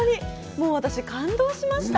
もう私、感動しました。